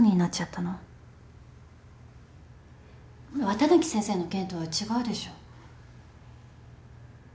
綿貫先生の件とは違うでしょ。